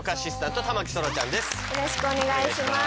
よろしくお願いします。